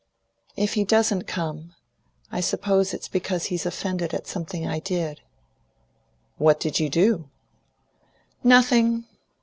"If he doesn't come, I suppose it's because he's offended at something I did." "What did you do?" "Nothing.